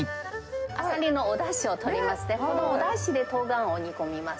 アサリのおだしを取りまして、このおだしでトウガンを煮込みます。